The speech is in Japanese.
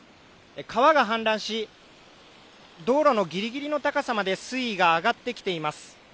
川が氾濫し、道路のぎりぎりの高さまで水位が上がってきています。